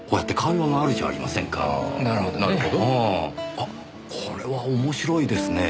あっこれは面白いですねぇ。